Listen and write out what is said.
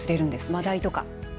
マダイとか。